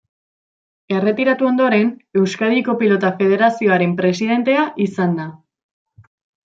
Erretiratu ondoren Euskadiko Pilota Federazioaren presidentea izan da.